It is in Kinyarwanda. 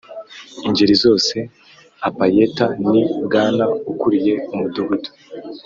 Ingeri Zose A P A E T A ni Bwana ukuriye umudugudu